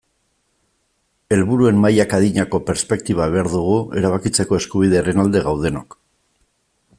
Helburuen mailak adinako perspektiba behar dugu erabakitzeko eskubidearen alde gaudenok.